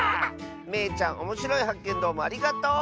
めいちゃんおもしろいはっけんどうもありがとう！